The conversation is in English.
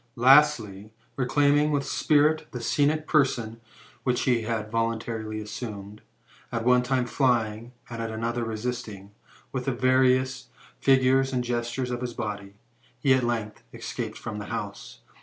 Lastly, reclaiming with spirit the scenic person which he had voluntarily assumed, at one time flying, and at another resisting, with the various figures and gestures of his body, he at length escaped from the house.